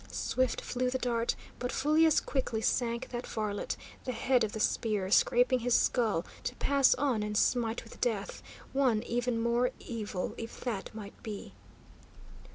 Swift flew the dart, but fully as quickly sank that varlet, the head of the spear scraping his skull, to pass on and smite with death one even more evil, if that might be.